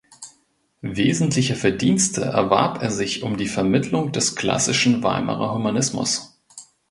Wesentliche Verdienste erwarb er sich um die Vermittlung des klassischen Weimarer Humanismus.